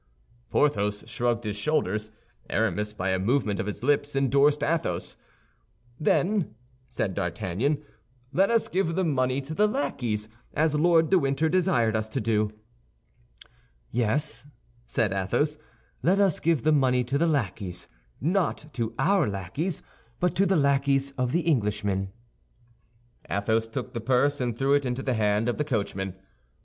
Porthos shrugged his shoulders; Aramis by a movement of his lips endorsed Athos. "Then," said D'Artagnan, "let us give the money to the lackeys, as Lord de Winter desired us to do." "Yes," said Athos; "let us give the money to the lackeys—not to our lackeys, but to the lackeys of the Englishmen." Athos took the purse, and threw it into the hand of the coachman.